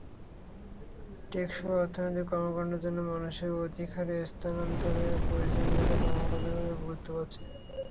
টেকসই অর্থনৈতিক কর্মকাণ্ডের জন্য মানুষের অধিক হারে স্থানান্তরের প্রয়োজনীয়তা ক্রমাগতভাবেই গুরুত্ব পাচ্ছে।